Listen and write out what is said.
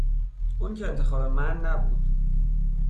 اون که انتخاب من نبود